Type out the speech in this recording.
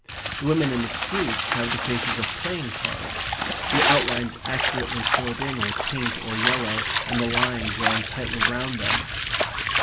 The women in the streets have the faces of playing cards; the outlines accurately filled in with pink or yellow, and the line drawn tightly round them.